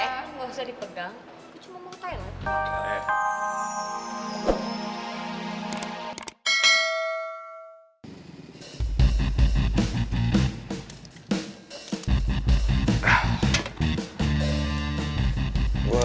lo gausah dipegang gue cuma mau ngetel ya